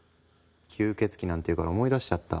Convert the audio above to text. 吸血鬼なんて言うから思い出しちゃった。